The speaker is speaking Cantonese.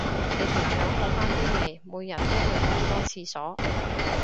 你條腸好返啲未，每日都去咁多廁所